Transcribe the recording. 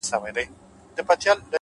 مثبت لید د خنډونو اندازه کوچنۍ کوي’